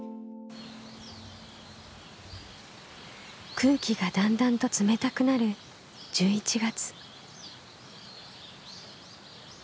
空気がだんだんと冷たくなる１１月。